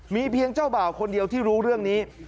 มีเพียงเจ้าบ่าวคนเดียวที่รู้เรื่องนี้